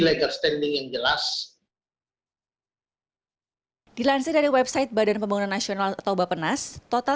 legal standing yang jelas di lanser dari website badan pembangunan nasional atau bapak nas total